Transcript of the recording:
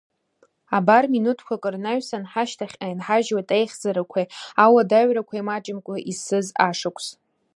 Абар, минутқәак рнаҩсан, ҳашьҭахьҟа иаанҳажьуеит аихьӡарақәеи, ауадаҩрақәеи маҷымкәа изцыз ашықәс.